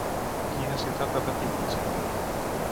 Quina ciutat va patir un incendi?